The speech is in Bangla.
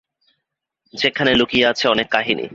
যেখানে লুকিয়ে আছে অনেক কাহিনী।